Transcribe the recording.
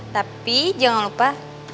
tapi jangan lupa